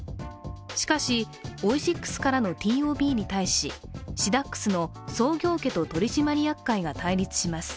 しかし、オイシックスからのＴＯＢに対しシダックスの創業家と取締役会が対立します。